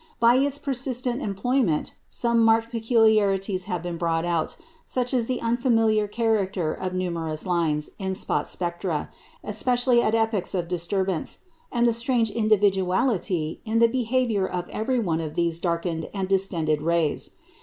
By its persistent employment some marked peculiarities have been brought out, such as the unfamiliar character of numerous lines in spot spectra, especially at epochs of disturbance; and the strange individuality in the behaviour of every one of these darkened and distended rays.